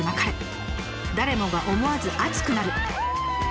誰もが思わず熱くなる！